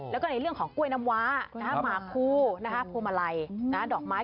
แล้วก็ในเรื่องของกล้วยน้ำว้าหมาคูพวงมาลัยดอกไม้